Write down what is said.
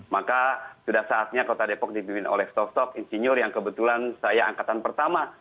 maka sudah saatnya kota depok dibimbing oleh staff stock insinyur yang kebetulan saya angkatan pertama